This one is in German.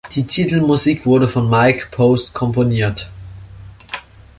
Die Titelmusik wurde von Mike Post komponiert.